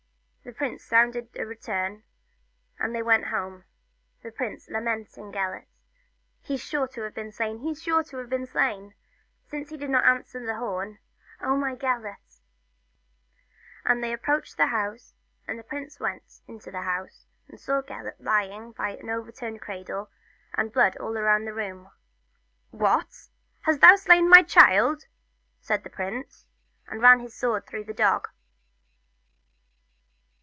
The prince sounded the return, and they went home, the prince lamenting Gelert. " He 's sure to have been slain he 's sure to have been slain ! since he did not answer the horn. Oh, my Gelert !" And they approached the house, and the prince went into the house, and saw Gelert lying by the over turned cradle, and blood all about the room. "What! hast thou slain my child?" said the prince, and ran his sword through the dog.